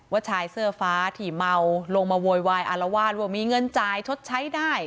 ชายเสื้อฟ้าที่เมาลงมาโวยวายอารวาสว่ามีเงินจ่ายชดใช้ได้